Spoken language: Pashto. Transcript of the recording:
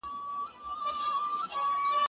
زه به اوږده موده لاس مينځلي وم،